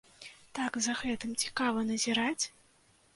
Так за гэтым цікава назіраць!